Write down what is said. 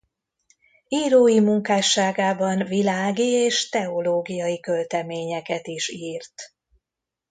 Írói munkásságában világi és teológiai költeményeket is írt.